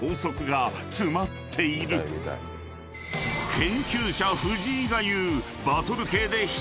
［研究者藤井が言う］